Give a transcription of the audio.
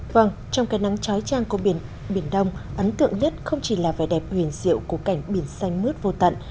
vâng trong cái nắng trói trang của biển đông ấn tượng nhất không chỉ là vẻ đẹp huyền diệu của cảnh biển xanh mướt vô tận